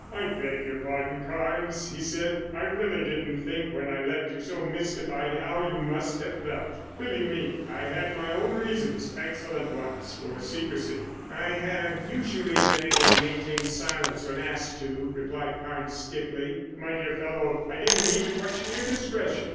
"I beg your pardon, Carnes," he said. "I really didn't think when I left you so mystified how you must have felt. Believe me, I had my own reasons, excellent ones, for secrecy." "I have usually been able to maintain silence when asked to," replied Carnes stiffly. "My dear fellow, I didn't mean to question your discretion.